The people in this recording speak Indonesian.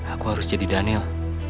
aku harus jadi daniel